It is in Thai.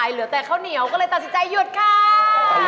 เหลือแต่ข้าวเหนียวก็เลยตัดสินใจหยุดค่ะ